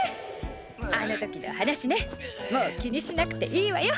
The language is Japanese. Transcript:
あの時の話ねもう気にしなくていいわよ。